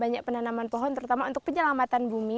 banyak penanaman pohon terutama untuk penyelamatan bumi